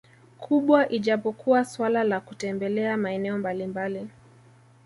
kubwa ijapokuwa suala la kutembelea maeneo mbalimbali